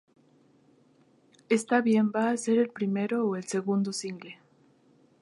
Es bien va a ser el primero o el segundo single.